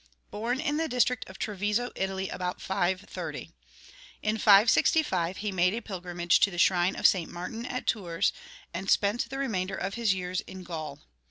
Born in the district of Treviso, Italy, about 530. In 565 he made a pilgrimage to the shrine of St. Martin at Tours, and spent the remainder of his years in Gaul.